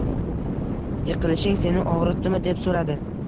Yiqilishing seni ogʻritdimi deb soʻradi.